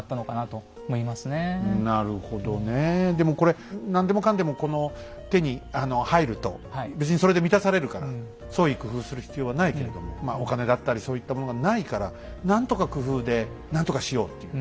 でもこれ何でもかんでもこの手に入ると別にそれで満たされるから創意工夫する必要はないけれどもお金だったりそういったものがないから何とか工夫で何とかしようっていう。